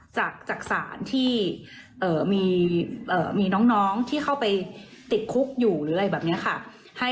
จักษานที่มีน้องที่เข้าไปติดคุกอยู่หรืออะไรแบบนี้ค่ะ